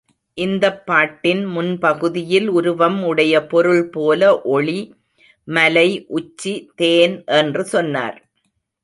இந்தப் பாட்டின் முன்பகுதியில் உருவம் உடைய பொருள்போல ஒளி, மலை, உச்சி, தேன் என்று சொன்னார்.